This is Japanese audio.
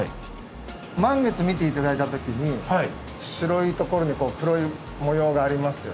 満月見て頂いた時に白いところに黒い模様がありますよね。